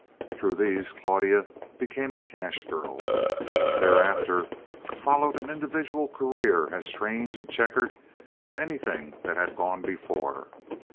Through these Claudia became a cash girl. Thereafter followed an individual career as strange and checkered as anything that had gone before.